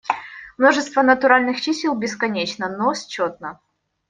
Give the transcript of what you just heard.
Множество натуральных чисел бесконечно, но счетно.